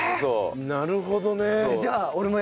なるほどね。